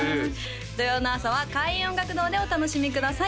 土曜の朝は開運音楽堂でお楽しみください